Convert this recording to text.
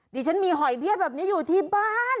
ดิฉันมีหอยเบี้ยแบบนี้อยู่ที่บ้าน